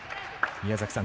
宮崎さん